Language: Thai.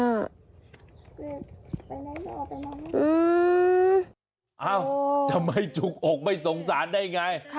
อ้าวจะไม่จุกอกไม่สงสารได้ไง